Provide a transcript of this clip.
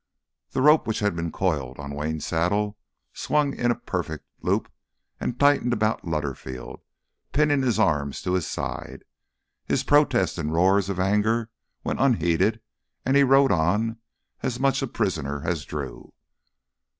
The rope which had been coiled on Wayne's saddle swung out in a perfect loop and tightened about Lutterfield, pinning his arms to his sides. His protests and roars of anger went unheeded and he rode on as much a prisoner as Drew.